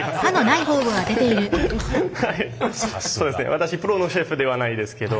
私プロのシェフではないですけどま